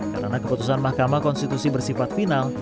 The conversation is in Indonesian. karena keputusan mahkamah konstitusi bersifat final